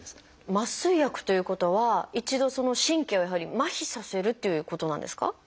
麻酔薬ということは一度神経をやはり麻痺させるっていうことなんですか？